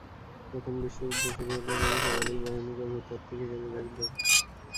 প্রথম বিশ্বযুদ্ধ শুরু হলে তিনি সামরিক বাহিনীতে ভূতাত্ত্বিক হিসেবে যোগ দেন।